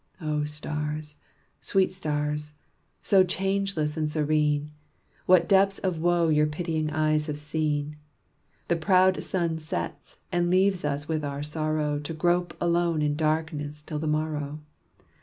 O stars, sweet stars, so changeless and serene! What depths of woe your pitying eyes have seen! The proud sun sets, and leaves us with our sorrow, To grope alone in darkness till the morrow.